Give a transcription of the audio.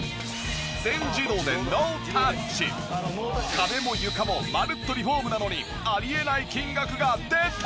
壁も床もまるっとリフォームなのにあり得ない金額が出た！